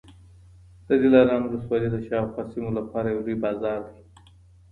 د دلارام ولسوالي د شاوخوا سیمو لپاره یو لوی بازار دی